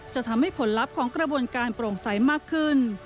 จะทำให้ผลลัพธ์ของกระบวนการโปร่งใสมากขึ้น